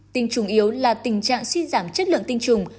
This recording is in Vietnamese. tinh chủ yếu là tình trạng suy giảm chất lượng tinh trùng